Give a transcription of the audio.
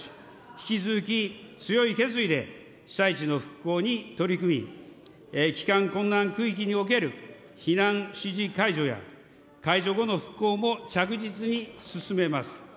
引き続き強い決意で、被災地の復興に取り組み、帰還困難区域における避難指示解除や、解除後の復興も着実に進めます。